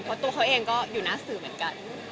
เพราะตัวเขาเองก็อยู่หน้าสื่อเหมือนกัน